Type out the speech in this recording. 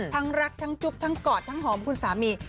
ทั้งรักทั้งจุ๊บทั้งกอดทั้งหอมคุณสามี